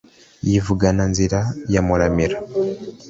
Yivugana Nzira ya Muramira